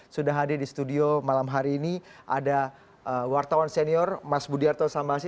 sudah hadir di studio malam hari ini ada wartawan senior mas budiarto sambasi